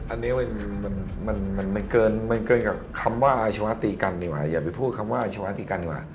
อันนี้มันเกินกับคำว่าอาชวะตีกันดีกว่าอย่าไปพูดคำว่าอาชวาตีกันดีกว่า